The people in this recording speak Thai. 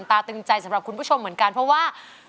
ตึงใจสำหรับคุณผู้ชมเหมือนกันเพราะว่า